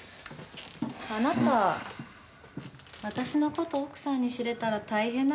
あなた私の事奥さんに知れたら大変な事になるんじゃない？